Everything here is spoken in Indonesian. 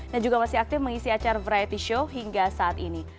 yang juga masih aktif mengisi acara frighty show hingga saat ini